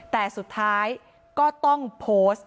แต่สุดท้ายก็ต้องโพสต์